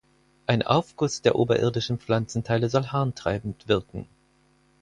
Ein Aufguss der oberirdischen Pflanzenteile soll harntreibend wirken.